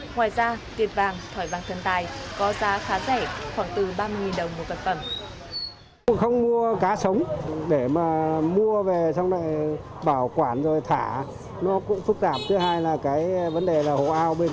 ngoài ra tiệt vàng thỏi vàng thần tài có giá khá rẻ khoảng từ ba mươi đồng một vật phẩm